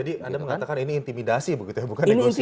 jadi anda mengatakan ini intimidasi begitu ya bukan negosiasi